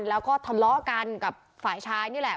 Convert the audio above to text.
แล้วก็ทะเลาะกันกับฝ่ายชายนี่แหละ